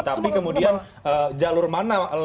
tapi kemudian jalur mana